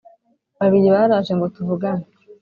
babiri baraje ngo tuvugane